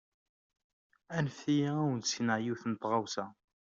Anfem-iyi ad wen-d-sekneɣ yiwet n tɣawsa.